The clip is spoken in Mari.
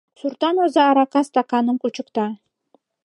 Суртан оза арака стаканым кучыкта.